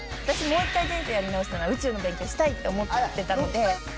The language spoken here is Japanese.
私もう一回人生やり直したら宇宙の勉強したいって思ってたので。